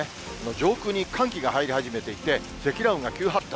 上空に寒気が入り始めていて、積乱雲が急発達。